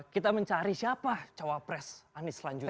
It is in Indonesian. kita mencari siapa cawapres anies selanjutnya